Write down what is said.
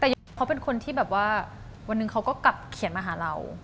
แต่เขาเป็นคนที่แบบว่าวันหนึ่งเขาก็กลับเขียนมาหาเรา